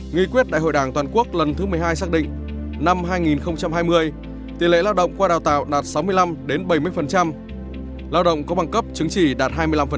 nghị quyết đại hội đảng toàn quốc lần thứ một mươi hai xác định năm hai nghìn hai mươi tỷ lệ lao động qua đào tạo đạt sáu mươi năm bảy mươi lao động có bằng cấp chứng chỉ đạt hai mươi năm